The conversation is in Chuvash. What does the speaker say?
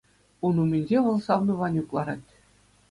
Ун умӗнче вӑл савнӑ Ванюк ларать.